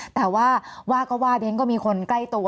แต่ว่าว่าก็ว่าเดี๋ยวฉันก็มีคนใกล้ตัว